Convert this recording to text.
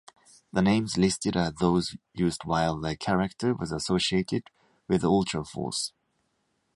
The names listed are those used while the character was associated with Ultraforce.